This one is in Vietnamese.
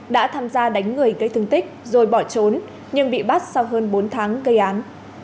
đã tham gia đánh người gây thương tích rồi bỏ trốn nhưng bị bắt sau hơn bốn tháng gây án